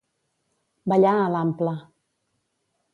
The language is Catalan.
Ballar a l'ampla.